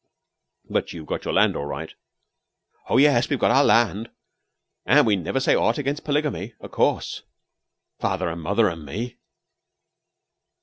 "But you've got your land all right?" "Oh, yes; we've got our land, an' we never say aught against polygamy, o' course father, an' mother, an' me."